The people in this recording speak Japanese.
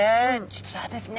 実はですね